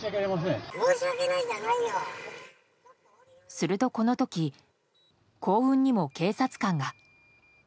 すると、この時幸運にも警察官が。